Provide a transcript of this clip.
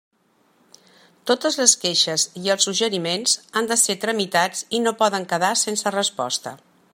Totes les queixes i els suggeriments han de ser tramitats i no poden quedar sense resposta.